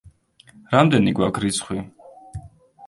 რამდენი გვაქ რიცხვი?